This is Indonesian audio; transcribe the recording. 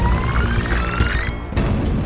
terima kasih pak